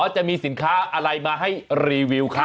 จะมีสินค้าอะไรมาให้รีวิวครับ